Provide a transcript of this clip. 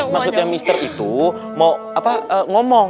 maksudnya mister itu mau ngomong